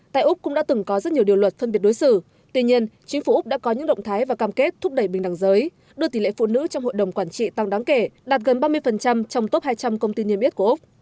tại úc cũng đã từng có rất nhiều điều luật phân biệt đối xử tuy nhiên chính phủ úc đã có những động thái và cam kết thúc đẩy bình đẳng giới đưa tỷ lệ phụ nữ trong hội đồng quản trị tăng đáng kể đạt gần ba mươi trong top hai trăm linh công ty niêm yết của úc